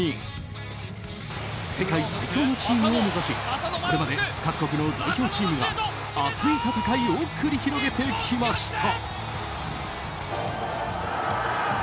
世界最強のチームを目指しこれまで各国の代表チームが熱い戦いを繰り広げてきました。